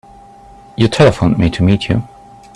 You telephoned me to meet you.